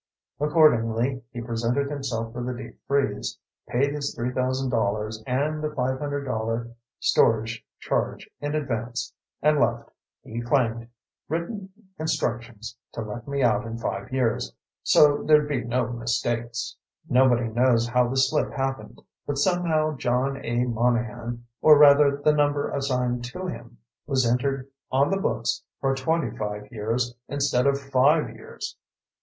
Accordingly, he presented himself for the deep freeze, paid his $3,000 and the $500 storage charge in advance, and left, he claimed, "written instructions to let me out in five years, so there'd be no mistakes." Nobody knows how the slip happened, but somehow John A. Monahan, or rather the number assigned to him, was entered on the books for 25 years instead of five years.